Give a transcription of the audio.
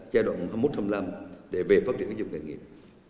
giai đoạn hai nghìn một trăm hai mươi năm để về phát triển giáo dục nghề nghiệp